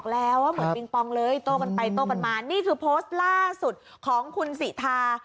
เลยโตกันไปโตกันมานี่คือโพสต์ล่าสุดของคุณศรีธา